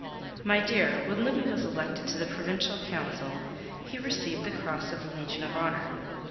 My dear, when Louis was elected to the provincial Council, he received the cross of the Legion of Honor.